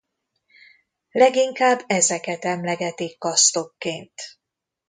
Leginkább ezeket emlegetik kasztokként.